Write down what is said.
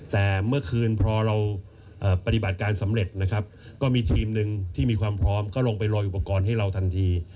แต่เมื่อคืนพอเราปฏิบัติการสำเร็จนะครับก็มีทีมหนึ่งที่มีความพร้อมก็ลงไปรออุปกรณ์ให้เราทันที